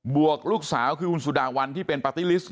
วกลูกสาวคือคุณสุดาวันที่เป็นปาร์ตี้ลิสต